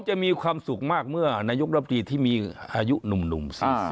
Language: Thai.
จะมีความสุขมากเมื่อนายกรับดีที่มีอายุหนุ่ม